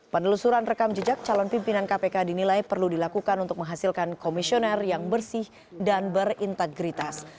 penelusuran rekam jejak calon pimpinan kpk dinilai perlu dilakukan untuk menghasilkan komisioner yang bersih dan berintegritas